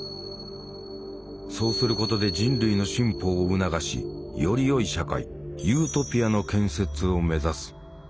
そうすることで人類の進歩を促しよりよい社会「ユートピア」の建設を目指す。